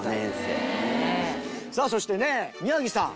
さあそしてね宮城さん。